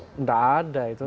tidak ada itu